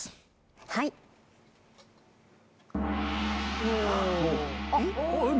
はい・えっ？